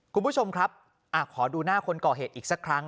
คุณผู้ชมครับขอดูหน้าคนก่อเหตุอีกสักครั้ง